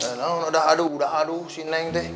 kenapa sudah aduh aduh si neng